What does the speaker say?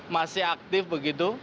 masih aktif begitu